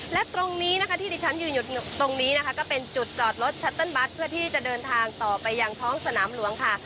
และตรงนี้นะคะที่ดิฉันยืนอยู่ตรงนี้นะคะก็เป็นจุดจอดรถชัตเติ้ลบัตรเพื่อที่จะเดินทางต่อไปยังท้องสนามหลวงค่ะ